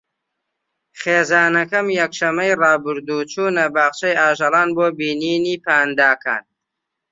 خێزانەکەم یەکشەممەی ڕابردوو چوونە باخچەی ئاژەڵان بۆ بینینی پانداکان.